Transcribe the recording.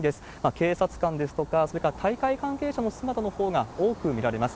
警察官ですとか、それから大会関係者の姿のほうが多く見られます。